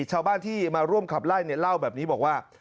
ชาวบ้านที่มาร่วมขับไล่เล่าแบบนี้บอกว่า